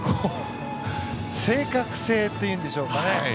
精確性というんでしょうかね。